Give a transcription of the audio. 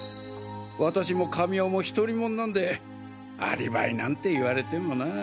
私も神尾もひとりもんなんでアリバイなんて言われてもなあ？